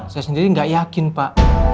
saya sendiri nggak yakin pak